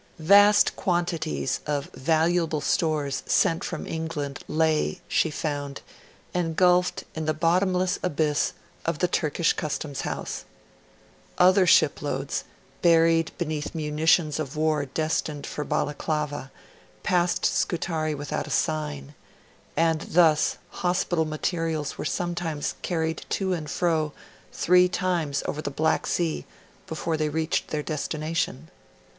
Vast quantities of valuable stores sent from England lay, she found, engulfed in the bottomless abyss of the Turkish Customs House. Other ship loads, buried beneath munitions of war destined for Balaclava, passed Scutari without a sign, and thus hospital materials were sometimes carried to and fro three times over the Black Sea, before they reached their destination.